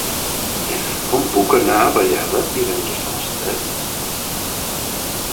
Com puc anar a Vallada divendres a les tres?